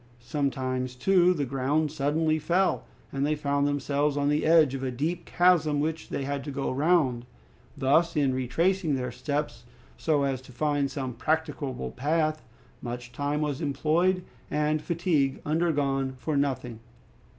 Sometimes, too, the ground suddenly fell, and they found themselves on the edge of a deep chasm which they had to go round. Thus, in retracing their steps so as to find some practicable path, much time was employed and fatigue undergone for nothing.